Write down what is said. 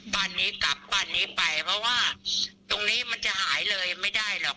บ้านนี้กลับบ้านนี้ไปเพราะว่าตรงนี้มันจะหายเลยไม่ได้หรอก